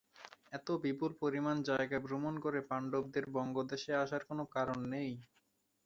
এত বিপুল পরিমাণ জায়গা ভ্রমণ করে পাণ্ডব দের বঙ্গ দেশে আসার কোন কারণ নেই।